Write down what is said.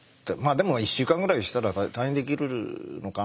でも１週間ぐらいしたら退院できるのかな。